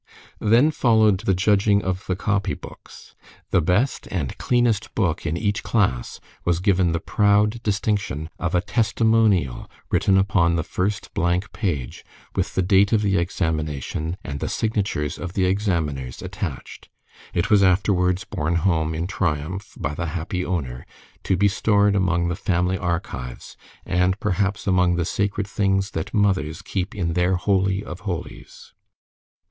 Then followed the judging of the copy books. The best and cleanest book in each class was given the proud distinction of a testimonial written upon the first blank page, with the date of the examination and the signatures of the examiners attached. It was afterwards borne home in triumph by the happy owner, to be stored among the family archives, and perhaps among the sacred things that mothers keep in their holy of holies.